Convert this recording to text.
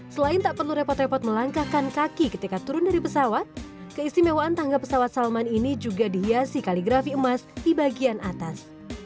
selain tak perlu repot repot melangkahkan kaki ketika turun dari pesawat keistimewaan tangga pesawat salman ini juga dihiasi kaligrafi emas di bagian atas